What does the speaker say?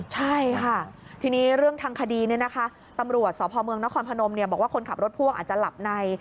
ใช่ค่ะทีนี้เรื่องทางคดีตำรวจสพเมืองนครพนมบอกว่าคนขับรถพ่วงอาจจะหลับใน